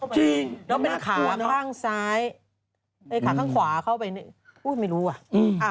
จริงแล้วเป็นขาข้างซ้ายขาข้างขวาเข้าไปอุ้ยไม่รู้อ่ะ